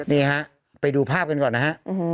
นี่ฮะไปดูภาพกันก่อนนะฮะ